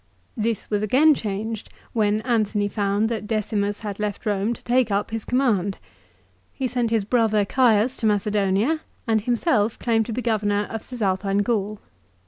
This was again changed when Antony found that Decimus had left Eome to take up his command. He sent his brother Caius to Macedonia, and himself claimed to be Governor of Cisalpine Gaul.